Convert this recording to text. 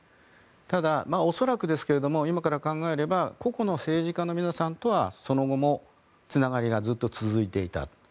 ただ、恐らくですけども今から考えれば個々の政治家の皆さんとはその後もつながりがずっと続いていた。